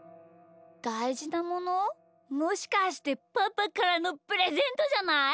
「だいじなもの」？もしかしてパパからのプレゼントじゃない？